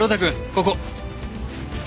ここ。